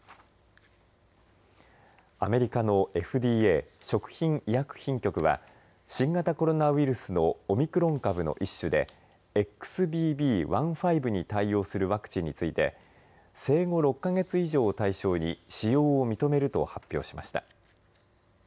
アメリカのＦＤＡ、食品医薬品局は新型コロナウイルスのオミクロン株の一種でＸＢＢ．１．５に対応するワクチンについて生後６か月以上を対象に使用を認めると発表しました。